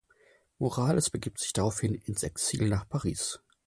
Morales begab sich daraufhin ins Exil nach Paris.